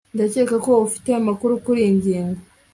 ndakeka ko ufite amakuru kuriyi ngingo